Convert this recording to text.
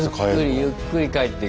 ゆっくり帰ってく。